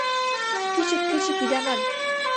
Кӱчык-кӱчык ида ман